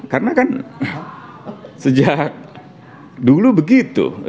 karena kan sejak dulu begitu